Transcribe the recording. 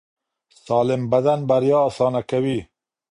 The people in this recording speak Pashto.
سالم بدن بریا اسانه کوي.